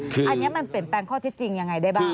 อันนี้มันเปลี่ยนแปลงข้อเท็จจริงยังไงได้บ้าง